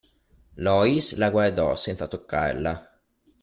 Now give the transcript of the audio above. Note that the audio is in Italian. Loïs la guardò, senza toccarla.